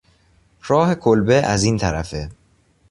راه کلبه از این طرفه